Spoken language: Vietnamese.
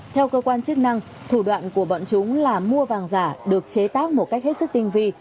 theo cơ quan chức năng thủ đoạn của bọn chúng là mua vàng giả được chế tác một cách hết sức tinh vi